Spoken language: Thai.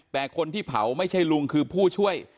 แต่คนที่เผาไม่ใช่ลุงคือผู้ช่วย